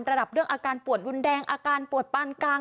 ระดับด้วยอาการปวดรุนแดงปวดปานกลาง